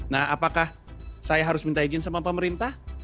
nah apakah saya harus minta izin sama pemerintah